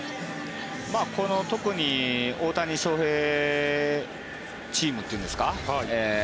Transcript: この特に大谷翔平チームというんですか。